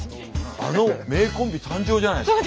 あの名コンビ誕生じゃないですか？